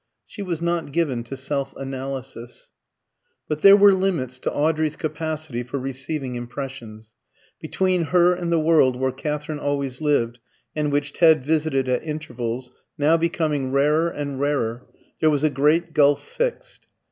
She was not given to self analysis. But there were limits to Audrey's capacity for receiving impressions. Between her and the world where Katherine always lived, and which Ted visited at intervals now becoming rarer and rarer, there was a great gulf fixed.